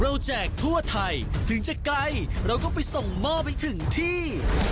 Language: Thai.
แจกทั่วไทยถึงจะไกลเราก็ไปส่งหม้อไปถึงที่